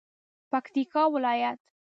پکتیکا ولایت